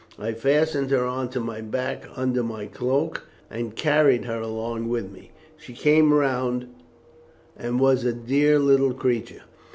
I fastened her on to my back under my cloak, and carried her along with me. She came round, and was a dear little creature.